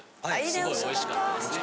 すごいおいしかったですね。